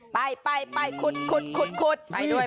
ไปไปขุดไปด้วย